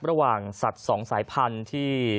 ระหว่างสัตว์๒สายพันธุ์ที่